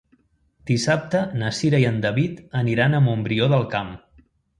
Dissabte na Cira i en David aniran a Montbrió del Camp.